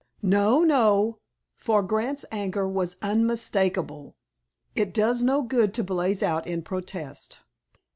No, no," for Grant's anger was unmistakable—"It does no good to blaze out in protest.